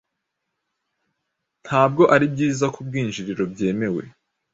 Ntabwo ari byiza ku bwinjiriro byemewe